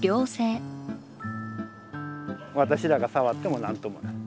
私らが触っても何ともない。